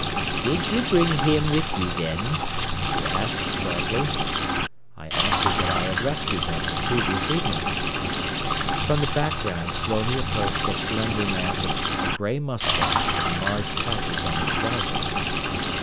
"Did you bring him with you, then?" she asked sharply. I answered that I had rescued him the previous evening. From the background slowly approached a slender man with a grey moustache and large patches on his trousers.